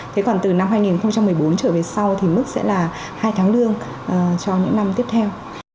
thế còn từ năm hai nghìn một mươi bốn trở về sau thì mức sẽ là hai tháng lương cho những năm tiếp theo